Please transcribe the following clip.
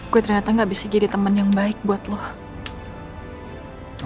saya ternyata tidak bisa menjadi teman yang baik untuk kamu